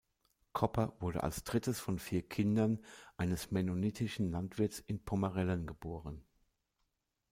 Kopper wurde als drittes von vier Kindern eines mennonitischen Landwirts in Pommerellen geboren.